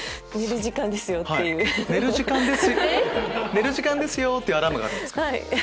寝る時間ですよっていうアラームが鳴るんですか？